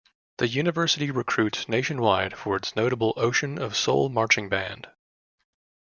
The university recruits nationwide for its notable Ocean of Soul marching band.